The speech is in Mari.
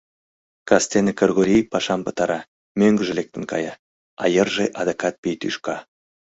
Кастене Кыргорий пашам пытара, мӧҥгыжӧ лектын кая, а йырже адакат — пий тӱшка.